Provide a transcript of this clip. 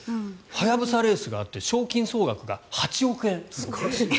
ハヤブサレースがあって賞金総額が８億円。